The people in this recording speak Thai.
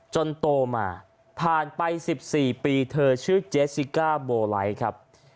โตมาผ่านไป๑๔ปีเธอชื่อเจสสิก้าโบไลท์ครับ